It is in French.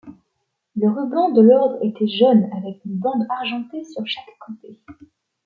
Le ruban de l'ordre était jaune avec une bande argentée sur chaque côté.